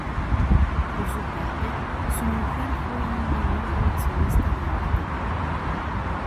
Por su parte, su mujer fue una gran coleccionista de arte.